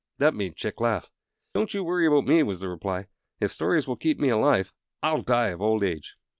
That made Chick laugh. "Don't you worry about me," was the reply. "If stories will keep me alive I'll die of old age!"